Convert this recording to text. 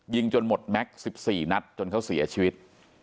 จนหมดแม็กซ์๑๔นัดจนเขาเสียชีวิต